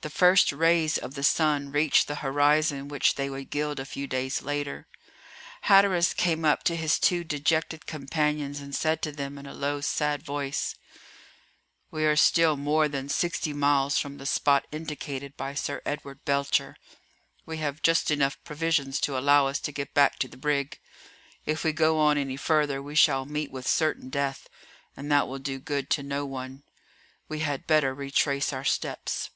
The first rays of the sun reached the horizon which they would gild a few days later. Hatteras came up to his two dejected companions, and said to them, in a low, sad voice: "We are still more than sixty miles from the spot indicated by Sir Edward Belcher. We have just enough provisions to allow us to get back to the brig. If we go on any further we shall meet with certain death, and that will do good to no one. We had better retrace our steps."